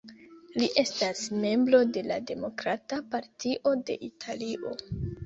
Li estas membro de la Demokrata Partio de Italio.